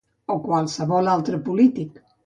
O qualsevol altre polític.